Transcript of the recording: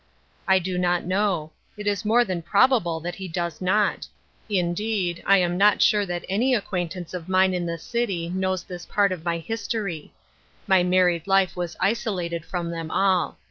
"I do not know. It is more than probable that he does not. Indeed, I am not sure that any acquaintance of mine in the city knows this part of my history. My married life was isolated from them all.